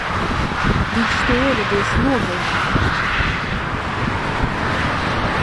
Viņš te ieradies nogalināt tevi!